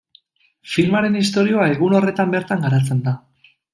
Filmaren istorioa egun horretan bertan garatzen da.